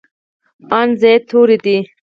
ان زاید توري دي.